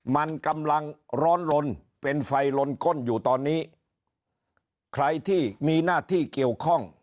มันกำลังร้อนลนเป็นไฟลนก้นอยู่ตอนนี้ใครที่มีหน้าที่เกี่ยวข้อง